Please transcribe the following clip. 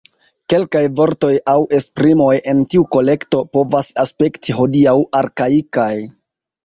Kelkaj vortoj aŭ esprimoj en tiu kolekto povas aspekti hodiaŭ arkaikaj.